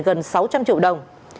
gần sáu trăm linh triệu đồng